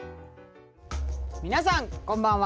皆さん、こんばんは。